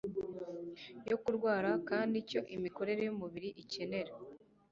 yo kurwara, kandi icyo imikorere y’umubiri ikenera